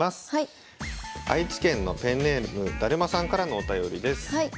愛知県のペンネームだるまさんからのお便りです。